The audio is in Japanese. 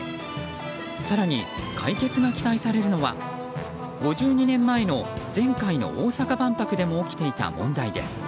更に解決が期待されるのは５２年前の前回の大阪万博でも起きていた問題です。